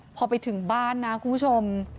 พอไปถึงบ้านนะคุณผู้ชม